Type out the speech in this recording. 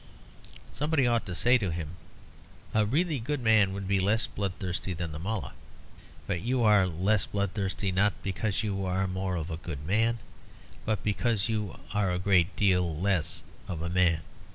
Somebody ought to say to him, "A really good man would be less bloodthirsty than the Mullah. But you are less bloodthirsty, not because you are more of a good man, but because you are a great deal less of a man.